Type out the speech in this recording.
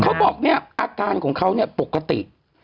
เขาบอกเนี่ยอาการของเขาเนี่ยปกติ